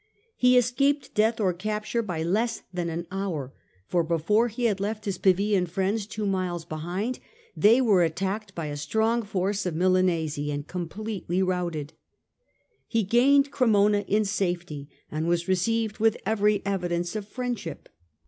He escaped death or capture by less than an hour, for before he had left his Pavian friends two miles behind, they were attacked by a strong force of Milanese and completely routed. He gained Cremona in safety and was received with every evidence of friendship.